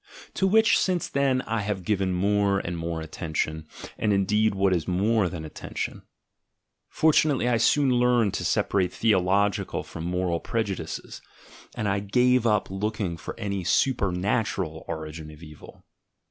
to which since then I have given more and more attention, and indeed what is more than attention. Fortunately I soon learned to separate theological from moral prejudices, and I gave up looking for a supernatural origin of evil.